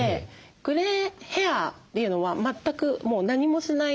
グレイヘアというのは全くもう何もしない素の状態。